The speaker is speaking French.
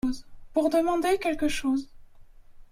Pour demander quelque chose.